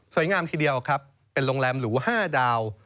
งามทีเดียวครับเป็นโรงแรมหรู๕ดาว